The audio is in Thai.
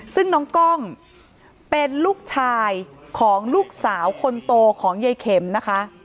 ซึ่งน้องกล้องเป็นลูกชายของลูกสาวคนโตของยายเข็มนะคะ